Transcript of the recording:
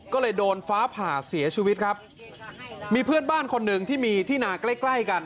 ก็เลยโดนฟ้าผ่าเสียชีวิตครับมีเพื่อนบ้านคนหนึ่งที่มีที่นาใกล้ใกล้กัน